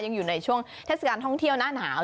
ยังอยู่ในช่วงเทศกาลท่องเที่ยวหน้าหนาว